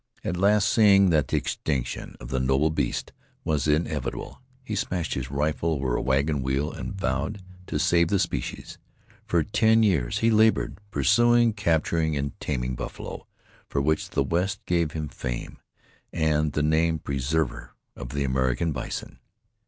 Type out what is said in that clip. At last, seeing that the extinction of the noble beasts was inevitable, he smashed his rifle over a wagon wheel and vowed to save the species. For ten years he labored, pursuing, capturing and taming buffalo, for which the West gave him fame, and the name Preserver of the American Bison.